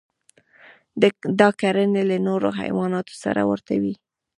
دا کړنې له نورو حیواناتو سره ورته وې.